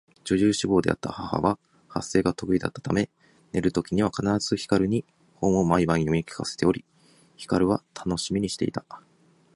女優志望であった母は発声が得意だったため寝る時には必ず光に本を毎晩読み聞かせており、光は楽しみにしていた